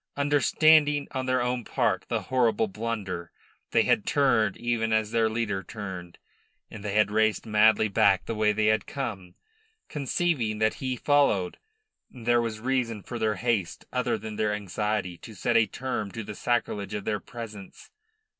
Understanding on their own part the horrible blunder, they had turned even as their leader turned, and they had raced madly back the way they had come, conceiving that he followed. And there was reason for their haste other than their anxiety to set a term to the sacrilege of their presence.